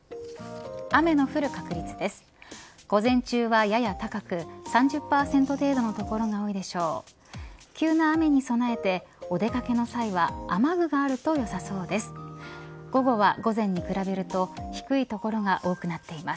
雨の降る確率です。